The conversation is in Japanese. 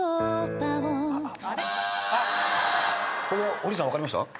堀内さん分かりました？